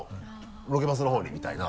「ロケバスの方に」みたいな。